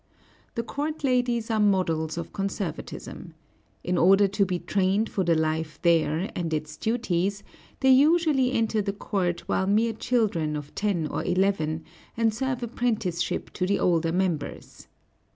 The court ladies are models of conservatism. In order to be trained for the life there and its duties, they usually enter the court while mere children of ten or eleven, and serve apprenticeship to the older members.